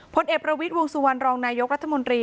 พลเอกประวิทย์วงสุวรรณรองนายกรัฐมนตรี